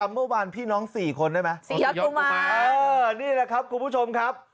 เมื่อวานพี่น้อง๔คนได้ไหมนี่แหละครับคุณผู้ชมครับ